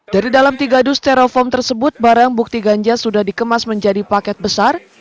dari dalam tiga dus stereofoam tersebut barang bukti ganja sudah dikemas menjadi paket besar